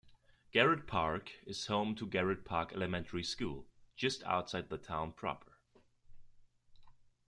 Garrett Park is home to Garrett Park Elementary School, just outside the town proper.